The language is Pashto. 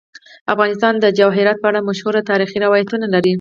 افغانستان د جواهرات په اړه مشهور تاریخی روایتونه لري.